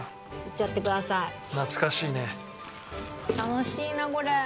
楽しいなこれ。